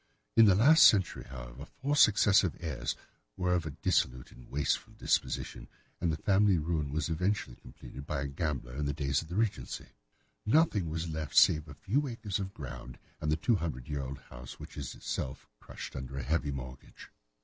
In the last century, however, four successive heirs were of a dissolute and wasteful disposition, and the family ruin was eventually completed by a gambler in the days of the Regency. Nothing was left save a few acres of ground, and the two hundred year old house, which is itself crushed under a heavy mortgage.